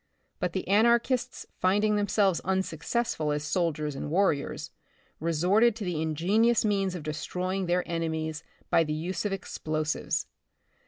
But the anarchists finding themselves unsuccessful as soldiers and warriors, resorted to the ingenious means of destroying their enemies by the use of explo sives.